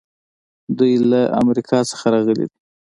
دوی له امریکا نه راغلي دي.